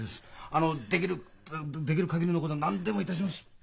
あのできるかぎりのことは何でもいたします。